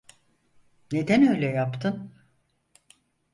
Neden öyle yaptın?